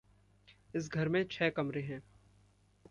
इस घर में छः कमरे हैं।